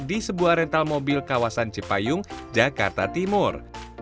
di sebuah rental mobil kawasan cipayung jakarta timur